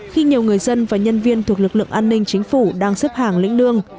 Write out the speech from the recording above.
khi nhiều người dân và nhân viên thuộc lực lượng an ninh chính phủ đang xếp hàng lĩnh lương